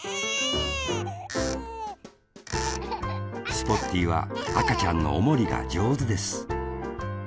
スポッティーはあかちゃんのおもりがじょうずです